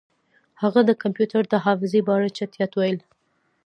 هغه د کمپیوټر د حافظې په اړه چټیات ویل